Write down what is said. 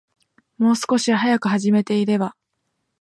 もう少し早く始めていれば